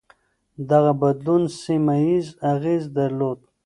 دغه بدلون سيمه ييز اغېز درلود.